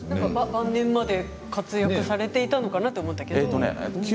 晩年まで活躍されていたのかなと思ったけれども。